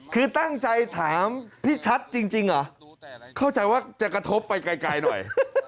คือตั้งใจถามพี่ชัดจริงเหรอเข้าใจว่าจะกระทบไปไกลหน่อย